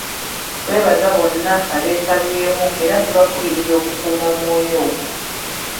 Twebaza bonna abeetabyemu era tubakubiriza okukuuma omwoyo ogwo.